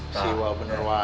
siwa benar pak